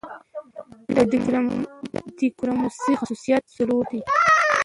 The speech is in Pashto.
د ډیموکراسۍ خصوصیات څلور دي.